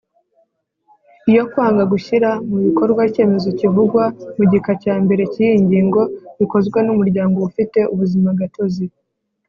iyo kwanga gushyira mu bikorwa icyemezo kivugwa mu gika cya mbere cy’iyi ngingo bikozwe n’umuryango ufite ubuzima gatozi,